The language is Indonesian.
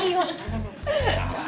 emak gue gak jadiain